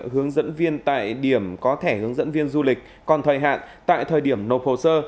hướng dẫn viên tại điểm có thẻ hướng dẫn viên du lịch còn thời hạn tại thời điểm nộp hồ sơ